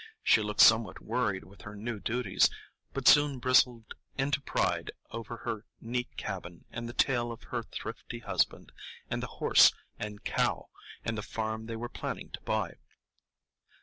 She looked somewhat worried with her new duties, but soon bristled into pride over her neat cabin and the tale of her thrifty husband, and the horse and cow, and the farm they were planning to buy.